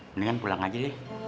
mendingan pulang aja deh